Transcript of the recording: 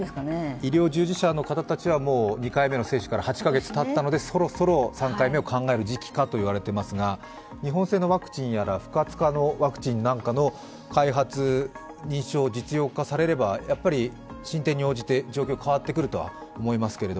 医療従事者の方たちは２回目の接種から８カ月たったのでそろそろ３回目を考える時期かと言われていますが、日本製のワクチンやら不活化のワクチンなんかの開発、認証、実用化されれば進展に応じて状況は変わってくると思いますけど。